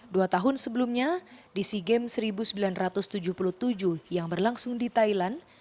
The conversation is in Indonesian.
dua tahun sebelumnya di sea games seribu sembilan ratus tujuh puluh tujuh yang berlangsung di thailand